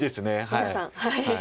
皆さん。